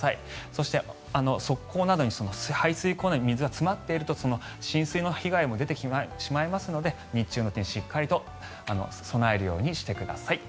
そして、側溝など排水溝などに水が詰まっていると浸水の被害も出てしまいますので日中のうちにしっかり備えるようにしてください。